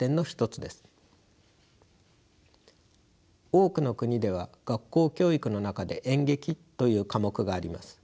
多くの国では学校教育の中で演劇という科目があります。